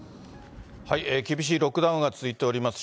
厳しいロックダウンが続いております